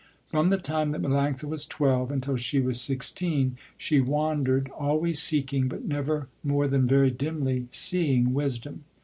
From the time that Melanctha was twelve until she was sixteen she wandered, always seeking but never more than very dimly seeing wisdom.